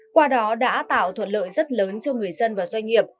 qua đó đã tạo thuận lợi rất lớn cho người dân và doanh nghiệp